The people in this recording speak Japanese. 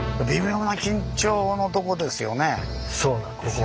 そうなんですよ。